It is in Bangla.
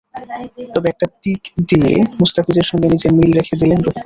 তবে একটা দিক দিয়ে মুস্তাফিজের সঙ্গে নিজের মিল রেখে দিলেন রোহিত।